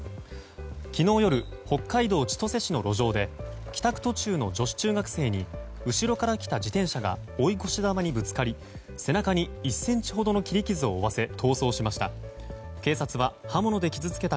昨日夜、北海道千歳市の路上で帰宅途中の女子中学生に後ろから来た自転車が追い越しざまにぶつかり背中に１ｃｍほどの切り傷を負わせ逃走しました。